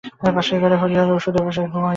পাশের ঘরে হরিহর ঔষধের বশে ঘুমাইতেছে।